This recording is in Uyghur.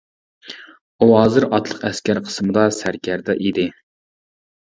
ئۇ ھازىر ئاتلىق ئەسكەر قىسىمدا سەركەردە ئىدى.